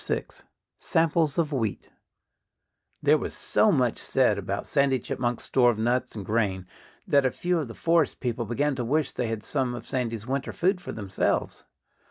VI SAMPLES OF WHEAT There was so much said about Sandy Chipmunk's store of nuts and grain that a few of the forest people began to wish they had some of Sandy's winter food for themselves.